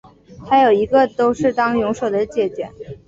她有一个都是当泳手的姐姐。